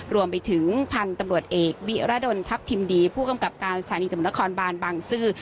รวมไปถึงพันตำรวจเอกวิราโดนทัพทิมดีผู้กำกับการศาลิงธรรมนครบาลบางซื่อ